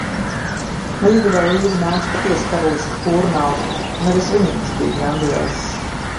Līgavai līdzi nāca patiesi karaliska pūra nauda, un arī svinības bija grandiozas.